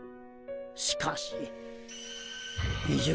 しかしみ